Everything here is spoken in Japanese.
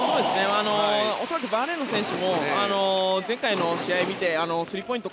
恐らくバーレーンの選手も前回の試合を見てスリーポイント